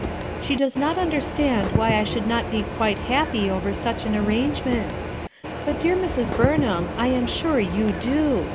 She does not understand why I should not be quite happy over such an arrangement; but dear Mrs. Buroham, I am sure you do.